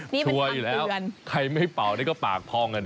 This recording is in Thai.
นี่มันความเตือน